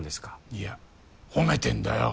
いや褒めてんだよ